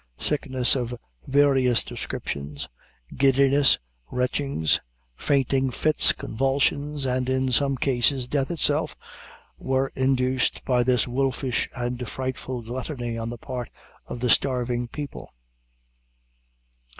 Sickness of various descriptions, giddiness, retchings, fainting fits, convulsions, and in some cases, death itself, were induced by this wolfish and frightful gluttony on the part of the starving people.